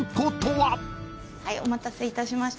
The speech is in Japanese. はいお待たせいたしました。